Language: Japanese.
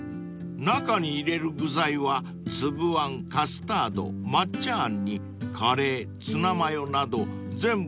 ［中に入れる具材は粒あんカスタード抹茶あんにカレーツナマヨなど全部で１１種類］